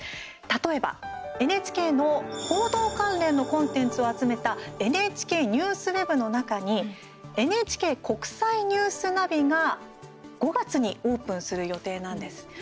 例えば、ＮＨＫの報道関連のコンテンツを集めたＮＨＫニュースウェブの中にＮＨＫ国際ニュースナビが５月にオープンする予定なんです。